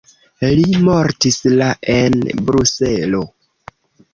Li mortis la en Bruselo.